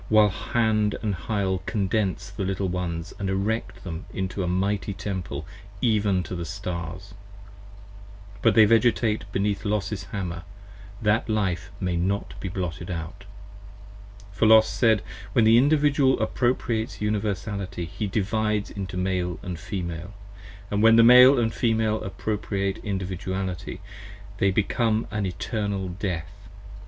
While Hand & Hyle condense the Little ones & erect them into 50 A mighty Temple even to the stars: but they Vegetate Beneath Los's Hammer, that Life may not be blotted out. For Los said: When the Individual appropriates Universality He divides into Male & Female: & when the Male & Female Appropriate Individuality, they become an Eternal Death.